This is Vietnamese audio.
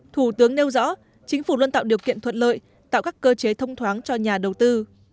thủ tướng nêu rõ chính phủ luôn tạo điều kiện thuận lợi tạo các cơ chế thông thoáng cho nhà đầu tư